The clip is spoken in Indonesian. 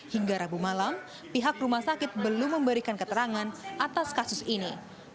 hingga rabu malam pihak rumah sakit belum memberikan keterangan atas kasus ini